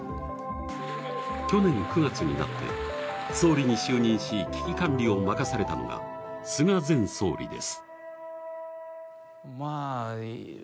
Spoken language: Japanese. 去年９月になって、総理に就任し、危機管理を任されたのが菅前総理です。